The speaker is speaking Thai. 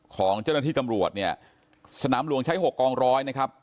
ของเจ้าหน้าที่ตำรวจเนี่ยสนามหลวงใช้๖กองร้อยนะครับ